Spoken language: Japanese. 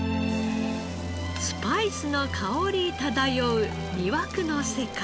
スパイスの香り漂う魅惑の世界。